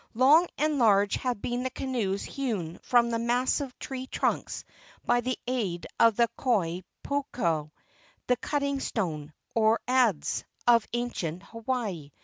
Long and large have been the canoes hewn from the massive tree trunks by the aid of the koi pohaku, the cutting stone, or adze, of ancient Hawaii.